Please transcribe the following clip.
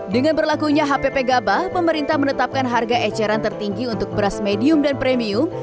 dengan berlakunya hpp gabah pemerintah menetapkan harga eceran tertinggi untuk beras medium dan premium